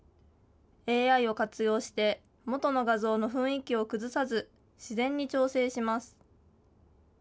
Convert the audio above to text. ＡＩを活用して、元の画像の雰囲気を崩さず、自然に調整します。